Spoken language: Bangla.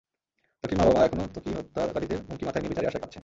ত্বকীর মা-বাবা এখনো ত্বকীর হত্যাকারীদের হুমকি মাথায় নিয়ে বিচারের আশায় কাঁদছেন।